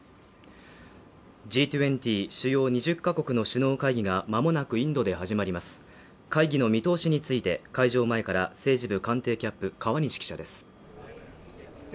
Ｇ２０＝主要２０か国の首脳会議がまもなくインドで始まります会議の見通しについて会場前から政治部官邸キャップ川西記者です